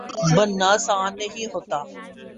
بننا آسان نہیں ہوتا